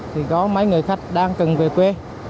thì có mấy người khách đang cần về quê